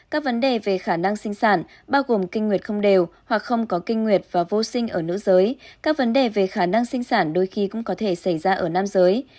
các triệu chứng có vô sinh ở nữ giới các vấn đề về khả năng sinh sản đôi khi cũng có thể xảy ra ở nam giới